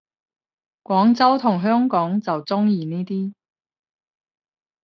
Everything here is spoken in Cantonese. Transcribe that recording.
廣州同香港就鍾意呢啲